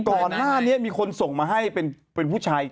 ตอนถ้านี้มีคนส่งมาให้เป็นเป็นผู้ชาย